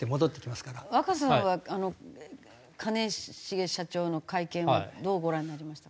若狭さんは兼重社長の会見をどうご覧になりましたか？